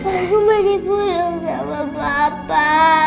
aku mau dibunuh sama papa